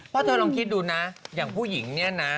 เพราะเธอลองคิดดูนะอย่างผู้หญิงเนี่ยนะ